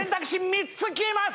３つ消えます